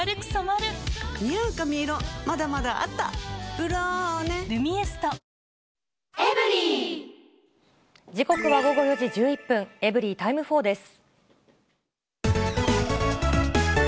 「ブローネ」「ルミエスト」時刻は午後４時１１分、エブリィタイム４です。